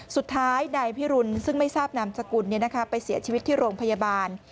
สุดท้ายนายพิรุณซึ่งไม่ทราบนามสกุลไปเสียชีวิตที่โรงพยาบาล